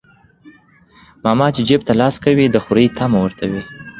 ماما چى جيب ته لاس کوى د خورى طعمه ورته وى.